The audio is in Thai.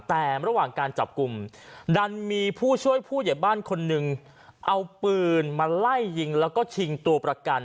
แต่ระหว่างการจับกลุ่มดันมีผู้ช่วยผู้ใหญ่บ้านคนหนึ่งเอาปืนมาไล่ยิงแล้วก็ชิงตัวประกัน